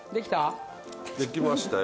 できた？